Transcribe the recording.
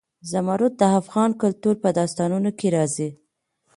زمرد د افغان کلتور په داستانونو کې راځي.